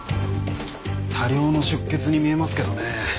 多量の出血に見えますけどね。